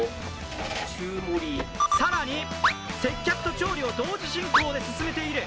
更に、接客と調理を同時進行で進めている！